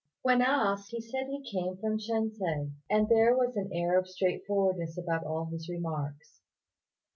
On being asked, he said he came from Shensi; and there was an air of straightforwardness about all his remarks.